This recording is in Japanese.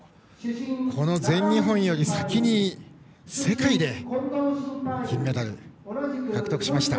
この全日本より先に世界で金メダルを獲得しました。